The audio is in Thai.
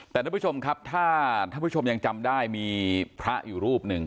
แต่ท่านผู้ชมครับถ้าท่านผู้ชมยังจำได้มีพระอยู่รูปหนึ่ง